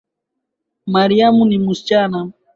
Mariam ni msichana